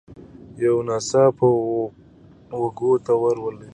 یو ناڅاپه وو کوهي ته ور لوېدلې